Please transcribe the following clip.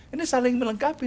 ini saling melengkapi